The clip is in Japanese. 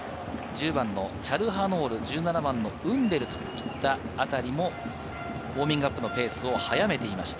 １０番のチャルハノール、１７番のウンデルといったあたりもウオーミングアップのペースを早めていました。